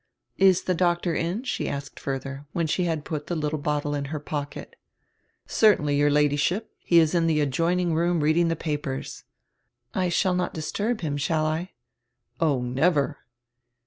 "Is tire doctor in?" she asked further, when she had put tire little bottle in her pocket. "Certainly, your Ladyship, he is in tire adjoining roonr reading tire papers." "I shall not disturb him, shall I?" "Oh, never."